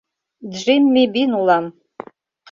Джимми Бин улам.